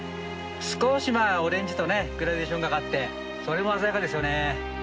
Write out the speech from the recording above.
少しオレンジとグラデーションがかってそれも鮮やかですよね。